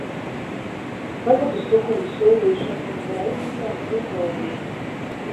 Tagad uz Tukumu Silviju šad tad var aizvizināt arī Bērītis.